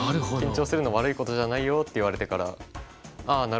「緊張するのは悪いことじゃないよ」って言われてからああ